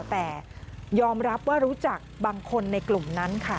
แต่ยอมรับว่ารู้จักบางคนในกลุ่มนั้นค่ะ